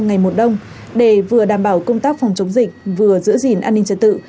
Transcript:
ngày một đông để vừa đảm bảo công tác phòng chống dịch vừa giữ gìn an ninh trật tự